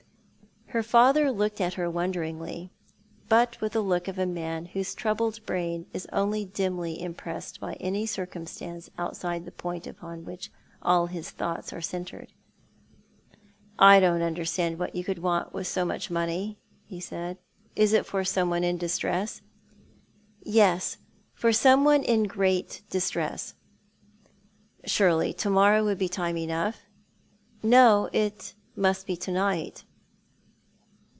Her father looked at her wonderinglj', but with the look of a man whose troubled brain is only dimly impressed by any circumstance outside the point upon which all his thoughts are centred. "I don't understand what you can want with so much money," he said. " Is it for someone in distress ?"" Yes, for some one in great distress." " Surely to morrow would be time enough ?"" No, no, it must be to night."